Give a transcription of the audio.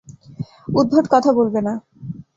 উদ্ভট কথা বলবেন না।